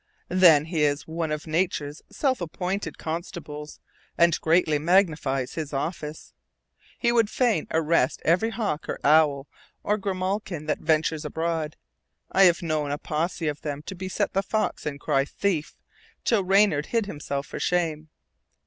Then he is one of Nature's self appointed constables and greatly magnifies his office. He would fain arrest every hawk or owl or grimalkin that ventures abroad. I have known a posse of them to beset the fox and cry "Thief!" till Reynard hid himself for shame.